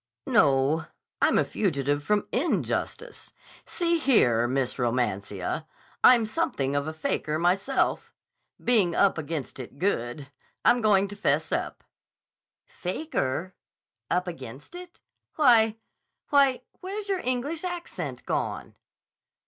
"No. I'm a fugitive from injustice. See here, Miss Romancia, I'm something of a faker myself. Being up against it good, I'm going to 'fess up. "'Faker'? 'Up against it'? Why—why, where's your English accent gone?"